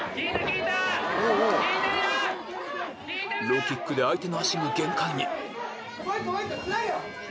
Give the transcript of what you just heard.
ローキックで相手の足が限界に・つなげろ！